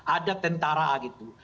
ada tentara gitu